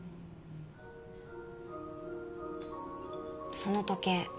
その時計